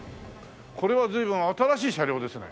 これは随分新しい車両ですね。